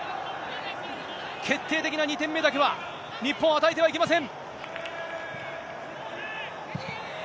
決定的な２点目だけは、日本は与えてはいけません。